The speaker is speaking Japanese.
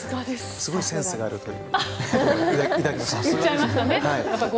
すごいセンスがあるという。